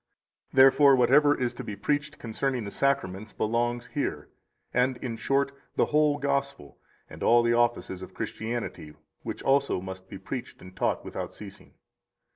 Therefore, whatever is to be preached concerning the Sacraments belongs here, and, in short, the whole Gospel and all the offices of Christianity, which also must be preached and taught without ceasing.